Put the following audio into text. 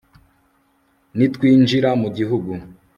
nitwinjira mu gihugu